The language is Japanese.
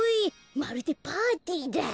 まるでパーティーだ。